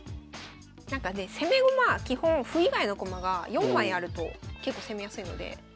なんかね攻め駒基本歩以外の駒が４枚あると結構攻めやすいので。